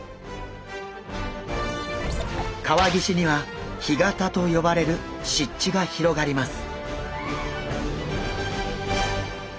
川岸には干潟と呼ばれる湿地が広がります。